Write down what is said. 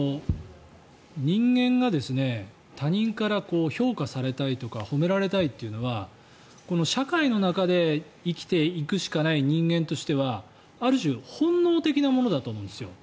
人間が他人から評価されたいとか褒められたいというのは社会の中で生きていくしかない人間としてはある種、本能的なものだと思うんですよ。